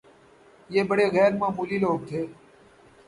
یہ بڑے غیرمعمولی لوگ تھے